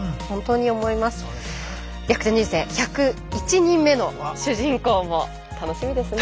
１０１人目の主人公も楽しみですね。